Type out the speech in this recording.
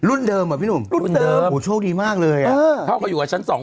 รุ่นเดิมเหรอพี่นุ่มโหโชคดีมากเลยอะ